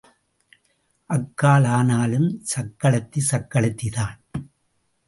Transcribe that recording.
அக்காள் ஆனாலும் சக்களத்தி சக்களத்திதான்.